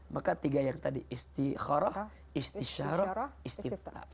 maka tiga yang tadi istikhara istisyarah istiftah